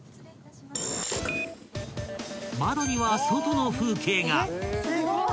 ［窓には外の風景が］